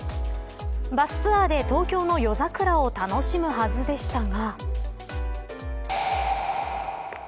バスツアーで東京の夜桜を楽しむはずでしたが。